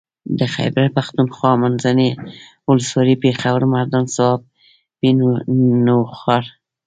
د خېبر پښتونخوا منځنۍ ولسوالۍ پېښور مردان صوابۍ نوښار